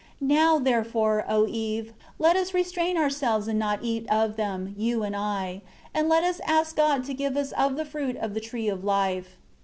2 Now, therefore, O Eve, let us restrain ourselves and not eat of them, you and I; and let us ask God to give us of the fruit of the Tree of Life."